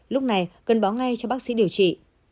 lúc này cần báo ngay cho bác sĩ điều trị